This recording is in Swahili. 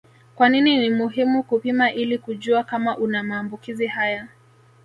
Kwa nini ni muhimu kupima ili kujua kama una maambukizi haya